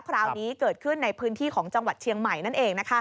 คราวนี้เกิดขึ้นในพื้นที่ของจังหวัดเชียงใหม่นั่นเอง